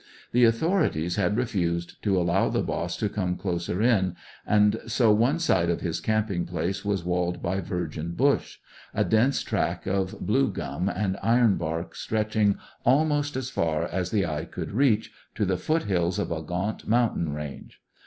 The authorities had refused to allow the boss to come closer in, and so one side of his camping place was walled by virgin bush; a dense tract of blue gum and iron bark stretching, almost as far as the eye could reach, to the foot hills of a gaunt mountain range.